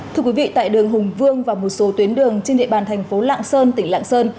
thưa quý vị tại đường hùng vương và một số tuyến đường trên địa bàn thành phố lạng sơn tỉnh lạng sơn